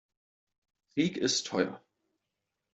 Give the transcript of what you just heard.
Krieg ist teuer.